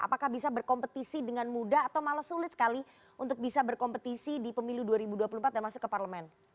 apakah bisa berkompetisi dengan muda atau malah sulit sekali untuk bisa berkompetisi di pemilu dua ribu dua puluh empat dan masuk ke parlemen